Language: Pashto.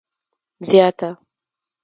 زیاته